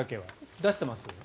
出してます？